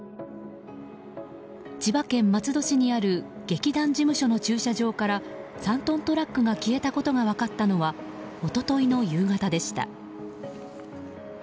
千葉県松戸市にある劇団事務所の駐車場から３トントラックが消えたことが分かったのは一昨日の夕方でした。